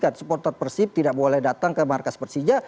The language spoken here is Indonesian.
supporter persib tidak boleh datang ke markas persija